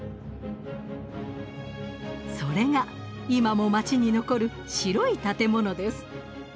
それが今も街に残る白い建物です。